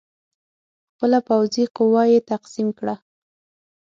خپله پوځي قوه یې تقسیم کړه.